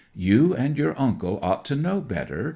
'"You and your uncle ought to know better.